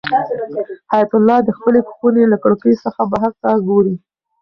حیات الله د خپلې خونې له کړکۍ څخه بهر ته ګوري.